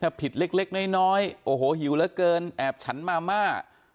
ถ้าผิดเล็กน้อยโอ้โหหิวเหลือเกินแอบฉันมาม่า